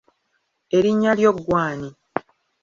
Erinnya lyo ggwe ani?